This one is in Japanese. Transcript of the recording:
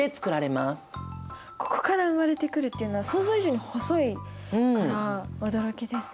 ここから生まれてくるっていうのは想像以上に細いから驚きですね。